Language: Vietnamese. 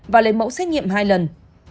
và lấy mẫu xét nghiệm hai lần